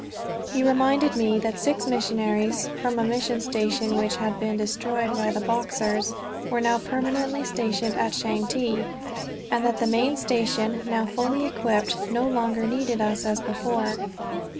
He reminded me that six missionaries, from a mission station which had been destroyed by the Boxers, were now permanently stationed at Changte; and that the main station, now fully equipped, no longer needed us as before.